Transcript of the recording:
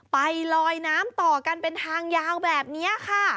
ไปลอยน้ำต่อกันเป็นทางยาวแบบนี้ค่ะ